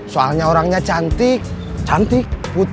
soalnya orangnya cantik